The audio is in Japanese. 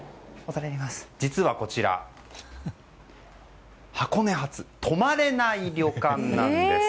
実はこちら、箱根初泊まれない旅館なんです。